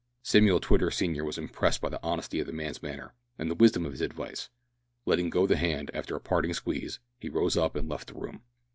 Samuel Twitter senior was impressed with the honesty of the man's manner, and the wisdom of his advice. Letting go the hand, after a parting squeeze, he rose up and left the room.